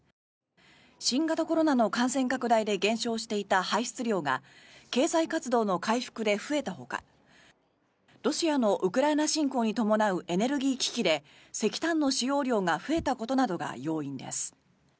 新型コロナの感染拡大で減少していた排出量が経済活動の回復で増えたほかロシアのウクライナ侵攻に伴うエネルギー危機で石炭の使用量が増えたことなどが要因です。